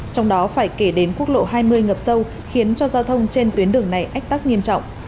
trong đó phải kể đến quốc lộ hai mươi ngập sâu khiến cho giao thông trên tuyến đường này ách tắc nghiêm trọng